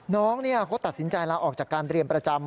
น้องเขาตัดสินใจลาออกจากการเรียนประจำ